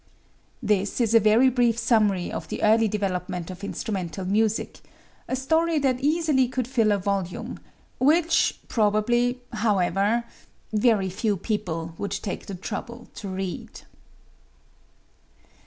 This is a very brief summary of the early development of instrumental music, a story that easily could fill a volume which, probably, however, very few people would take the trouble to read.